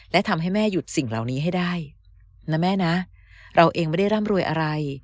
และทำให้แม่หยุดสิ่งเหล่านี้ให้ได้นะแม่นะเราเองไม่ได้ร่ำรวยอะไร